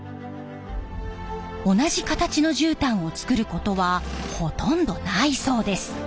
同じ形のじゅうたんを作ることはほとんどないそうです。